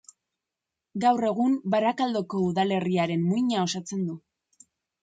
Gaur egun Barakaldoko udalerriaren muina osatzen du.